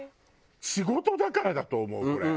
仕事だからだと思うこれ。